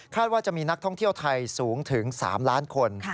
ว่าจะมีนักท่องเที่ยวไทยสูงถึง๓ล้านคน